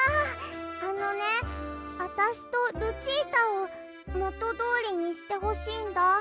あのねあたしとルチータをもとどおりにしてほしいんだ。